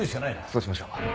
そうしましょう。